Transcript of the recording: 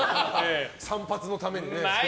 散髪のためにね。